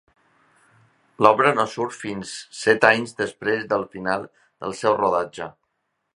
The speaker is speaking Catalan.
L'obra no surt fins set anys després del final del seu rodatge.